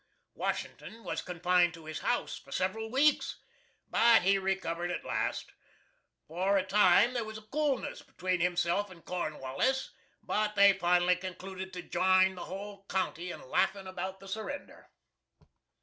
Washington was confined to his house for several weeks, but he recovered at last. For a time there was a coolness between himself and Cornwallis, but they finally concluded to join the whole county in laughing about the surrender.